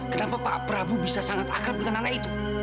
kenapa pak prabowo bisa sangat akrab dengan anak itu